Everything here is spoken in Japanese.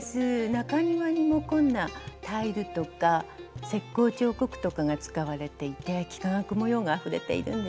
中庭にもこんなタイルとか石こう彫刻とかが使われていて幾何学模様があふれているんです。